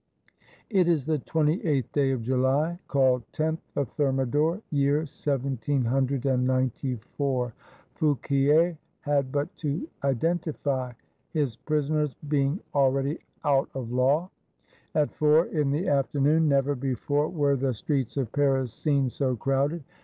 It is the 28th day of July, called loth of Thermidor, year 1794. Fouquier had but to identify; his prisoners being already Out of Law. At four in the afternoon, never before were the streets of Paris seen so crowded.